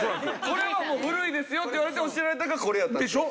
これはもう古いですよって言われて教えられたのがこれ。でしょ。